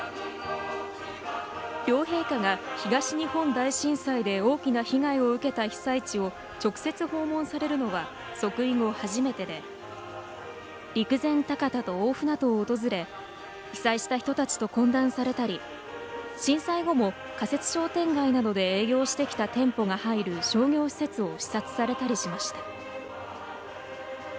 両陛下が東日本大震災で大きな被害を受けた被災地を直接訪問されるのは即位後初めてで陸前高田と大船渡を訪れ被災した人たちと懇談されたり震災後も仮設商店街などで営業してきた店舗が入る商業施設を視察されたりしました。